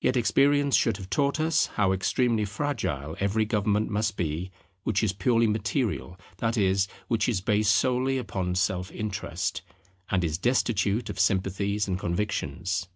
Yet experience should have taught us how extremely fragile every government must be which is purely material, that is, which is based solely upon self interest, and is destitute of sympathies and convictions.